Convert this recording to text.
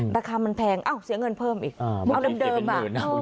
ราคามันแพงเอ้าเสียเงินเพิ่มอีกเอาเดิมอ่ะ